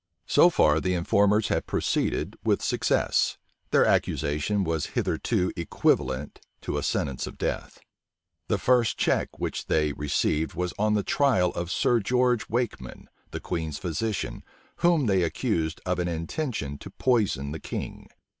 So far the informers had proceeded with success: their accusation was hitherto equivalent to a sentence of death. The first check which they received was on the trial of Sir George Wakeman, the queen's physician, whom they accused of an intention to poison the king.